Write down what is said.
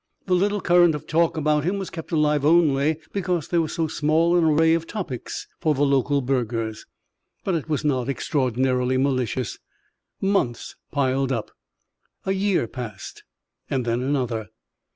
The little current of talk about him was kept alive only because there was so small an array of topics for the local burghers. But it was not extraordinarily malicious. Months piled up. A year passed and then another.